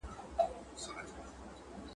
تاسي باید د زړه د درزا پوښتنه له ډاکټر څخه وکړئ.